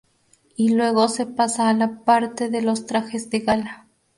Y luego se pasa a la parte de los trajes de gala.